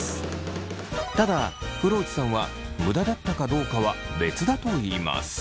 ただ風呂内さんは無駄だったかどうかは別だといいます。